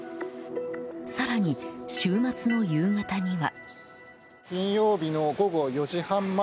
更に、週末の夕方には。